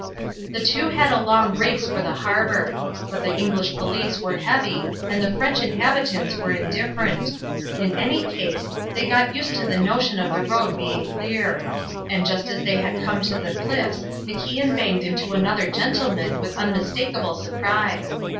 The two had a long race for the harbour; but the English police were heavy and the French inhabitants were indifferent. In any case, they got used to the notion of the road being clear; and just as they had come to the cliffs MacIan banged into another gentleman with unmistakable surprise.